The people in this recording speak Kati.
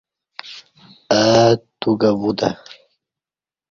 اہ تو کہ وُتہ۔